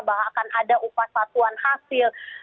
bahwa akan ada upah satuan hasil